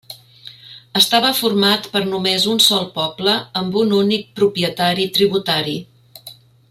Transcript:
Estava format per només un sol poble amb un únic propietari tributari.